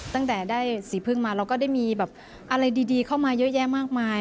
ตั้งแต่ได้สีพึ่งมาเราก็ได้มีแบบอะไรดีเข้ามาเยอะแยะมากมาย